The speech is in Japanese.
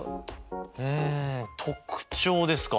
うん特徴ですか。